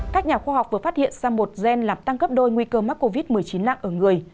các nhà khoa học vừa phát hiện ra một gen làm tăng cấp đôi nguy cơ mắc covid một mươi chín lạng ở người